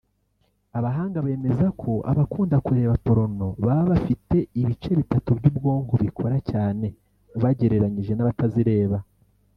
Abahanga bemeza ko abakunda kureba porn baba bafite ibice bitatu bw’ubwonko bikora cyane ubagereranije n’abatazireba